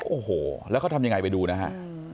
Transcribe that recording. โอ้โหแล้วเขาทำยังไงไปดูนะฮะ